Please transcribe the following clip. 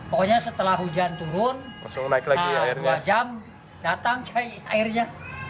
pokoknya setelah hujan turun dua jam datang cair airnya